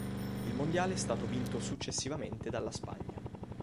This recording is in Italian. Il mondiale è stato vinto successivamente dalla Spagna.